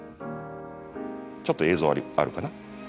ちょっと映像あるかな。